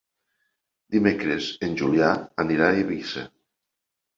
Dimecres en Julià anirà a Eivissa.